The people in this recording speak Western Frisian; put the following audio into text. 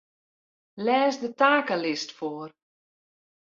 Lês de takelist foar.